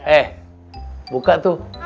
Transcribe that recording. eh buka tuh